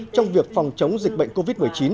trong việc phòng chống dịch bệnh covid một mươi chín